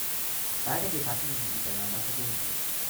Beide Debatten sind miteinander verbunden.